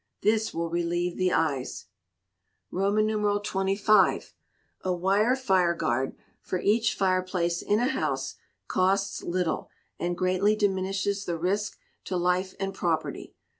This will relieve the eyes. xxv. A wire fire guard, for each fire place in a house, costs little, and greatly diminishes the risk to life and property.